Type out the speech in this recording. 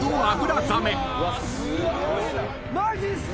マジっすか！